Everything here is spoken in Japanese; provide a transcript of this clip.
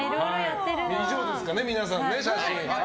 以上ですかね、皆さんの写真。